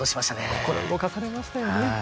心動かされましたよね。